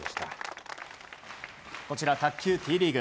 こちら、卓球Ｔリーグ。